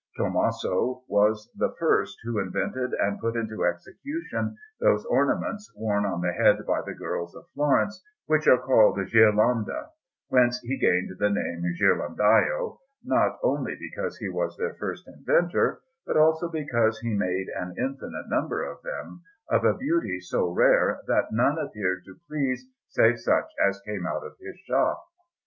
Tommaso was the first who invented and put into execution those ornaments worn on the head by the girls of Florence, which are called ghirlande; whence he gained the name of Ghirlandajo, not only because he was their first inventor, but also because he made an infinite number of them, of a beauty so rare that none appeared to please save such as came out of his shop.